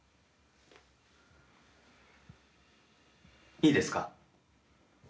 いいですか？